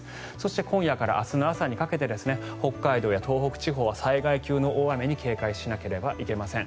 そして今夜から明日の朝にかけて北海道や東北地方は災害級の大雨に警戒しなければいけません。